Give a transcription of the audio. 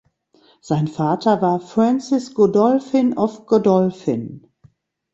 Sein Vater war Francis Godolphin of Godolphin.